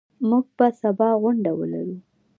موږ به سبا غونډه ولرو.